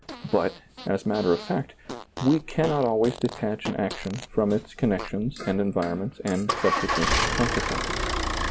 But, as matter of fact, we cannot always detach an action from its con nections and environments and subsequent conse quences.